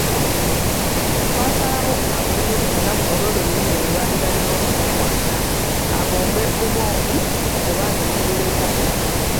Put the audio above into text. Twasalawo abuleyo ku lunaku olwo lwennyini lwe baali balina okumutwala, abombe bubombi oba abeemululeko.